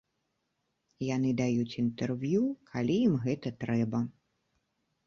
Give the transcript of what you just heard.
Яны даюць інтэрв'ю, калі ім гэта трэба.